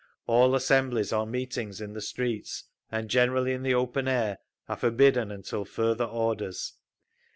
All assemblies or meetings in the streets, and generally in the open air, are forbidden until further orders.